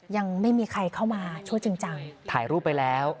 ยังไม่มีใครเข้ามาช่วยจริงจังถ่ายรูปไปแล้ว